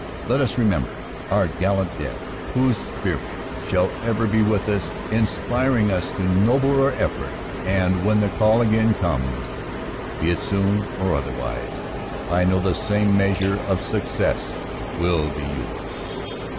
Let us remember our gallant dead, whose spirit shall ever be with us, inspiring us to nobler effort, and when the call again comes, be it soon or otherwise, I know the same measure of success will be yours."